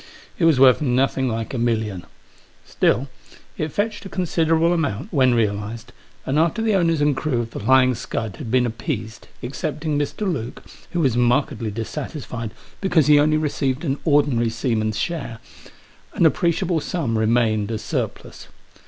It was worth nothing like a million. Still, it fetched a considerable amount when realised, and after the owners and crew of The Flying Scud had been appeased — excepting Mr. Luke, who was markedly dissatisfied because he only received an ordinary seaman's share — an appreciable sum remained as surplus.